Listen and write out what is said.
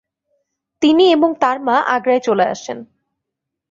তিনি এবং তার মা আগ্রায় চলে আসেন।